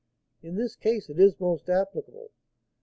In this case it is most applicable.